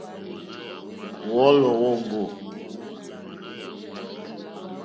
Wɔ̌lɔ̀ wóŋɡô.